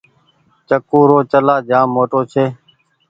چڪو رو چلآ جآم موٽو ڇي۔